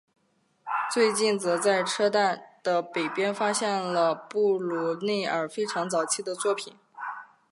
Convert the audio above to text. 最近则在车站的北边发现了布鲁内尔非常早期的作品。